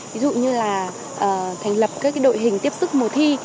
ví dụ như là thành lập các đội hình tiếp sức mùa thi